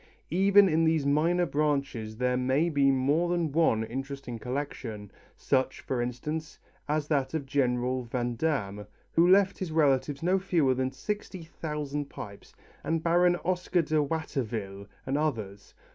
Even in these minor branches there may be more than one interesting collection, such, for instance, as that of General Vandamme who left his relatives no fewer than sixty thousand pipes, and Baron Oscar de Watterville's and others.